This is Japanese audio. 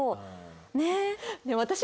ねえ。